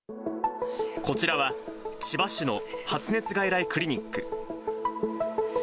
こちらは千葉市の発熱外来クリニック。